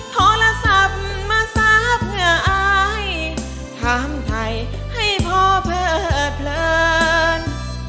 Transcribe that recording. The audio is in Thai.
ทอละสับมาซาบเหงื่ออายถามไทยให้พ่อเพิดเพลิน